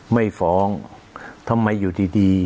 ไม่ฟ้องทำไมอยู่ดี